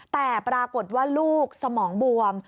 แต่ปรากฏว่าลูกสมองบวม